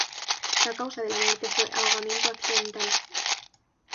La causa de la muerte fue ahogamiento accidental.